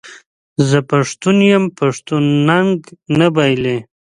زه پښتون یم پښتون ننګ نه بایلي.